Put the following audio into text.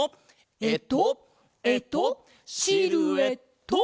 えっとえっとシルエット！